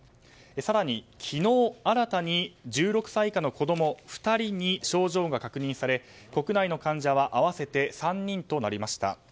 更に、昨日新たに１６歳以下の子供２人に症状が確認され、国内の患者は合わせて３人となりました。